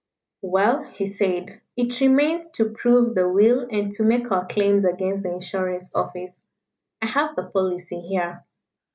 "Well," he said, "it remains to prove the will and to make our claims against the Insurance Office. I have the policy here.